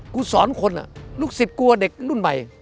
สอนคนลูกศิษย์กลัวเด็กรุ่นใหม่